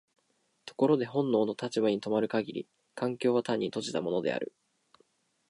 ところで本能の立場に止まる限り環境は単に閉じたものである。